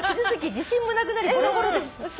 自信もなくなりぼろぼろです」